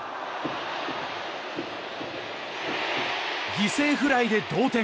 犠牲フライで同点！